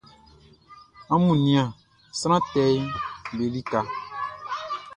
Amun nian sran tɛʼm be lika.